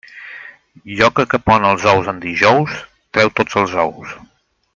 Lloca que pon els ous en dijous, treu tots els ous.